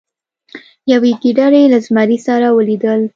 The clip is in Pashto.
یوې ګیدړې له زمري سره ولیدل.